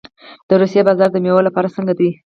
د روسیې بازار د میوو لپاره څنګه دی؟